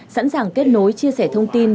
sẵn sàng kết nối chia sẻ thông tin